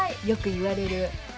よく言われる。